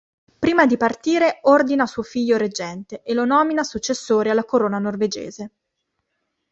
Prima di partire ordina suo figlio reggente, e lo nomina successore alla corona norvegese.